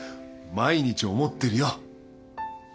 毎日思ってるよ。